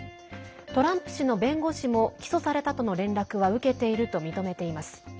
トランプ氏の弁護士も起訴されたとの連絡は受けていると認めています。